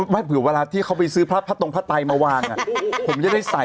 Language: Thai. ไม่เผื่อเวลาที่เขาไปซื้อพระตรงผ้าไตมาวางผมจะได้ใส่